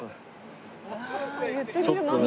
言ってみるものですね。